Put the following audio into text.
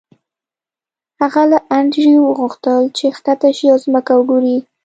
هغه له انډریو وغوښتل چې ښکته شي او ځمکه وګوري